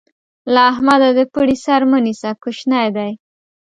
له احمده د پړي سر مه نيسه؛ کوشنی دی.